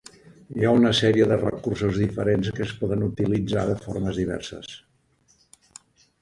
Hi ha una sèrie de recursos diferents que es poden utilitzar de formes diverses.